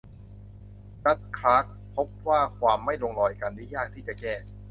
จัดจ์ คลาร์กพบว่าความไม่ลงรอยกันนี้ยากที่จะแก้